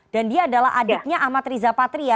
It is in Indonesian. dan dia adalah adiknya amat riza patria